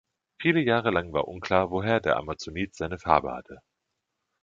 Viele Jahre lang war unklar, woher der Amazonit seine Farbe hatte.